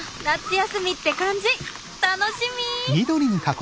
楽しみ！